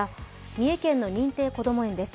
三重県の認定こども園です。